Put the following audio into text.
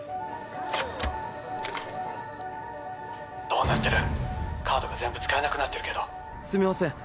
☎どうなってるカードが全部使えなくなってるけどすみません